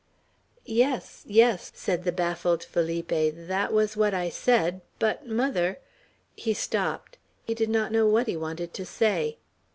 "Yes, yes," said the baffled Felipe; "that was what I said. But, mother " He stopped. He did not know what he wanted to say.